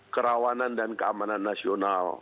kerawanan dan keamanan nasional